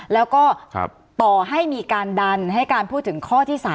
แล้วก็ต่อให้มีการดันให้การพูดถึงข้อที่๓